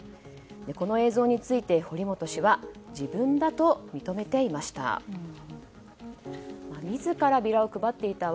この映像について、堀本氏は自分だと認めていました。